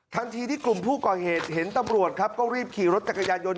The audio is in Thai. ทันทีที่กลุ่มผู้ก่อเหตุเห็นตำรวจครับก็รีบขี่รถจักรยานยนต์